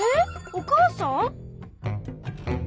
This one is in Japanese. お母さん？